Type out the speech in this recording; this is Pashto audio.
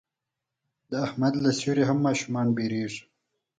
د احمد له سیوري نه هم ماشومان وېرېږي.